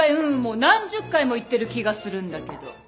ううんもう何十回も言ってる気がするんだけど